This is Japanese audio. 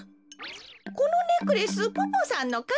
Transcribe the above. このネックレスポポさんのかい？